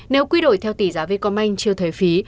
nếu quy đổi theo tỷ giá vcomanh chưa thấy phí